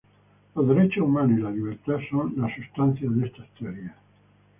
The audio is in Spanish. Los derechos humanos y la libertad son la substancia de estas teorías.